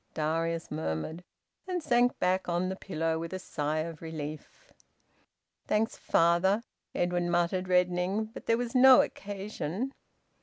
Darius murmured, and sank back on the pillow with a sigh of relief. "Thanks, father," Edwin muttered, reddening. "But there was no occasion."